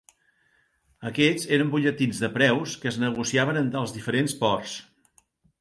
Aquests eren butlletins de preus que es negociaven en els diferents ports.